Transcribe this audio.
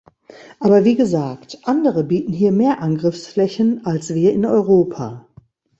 Aber wie gesagt, andere bieten hier mehr Angriffsflächen als wir in Europa.